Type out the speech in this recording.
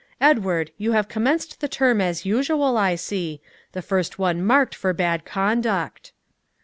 "Edward, you have commenced the term as usual, I see, the first one marked for bad conduct."